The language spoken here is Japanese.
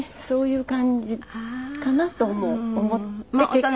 そういう感じかなとも思って。